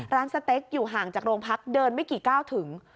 สเต็กอยู่ห่างจากโรงพักเดินไม่กี่ก้าวถึง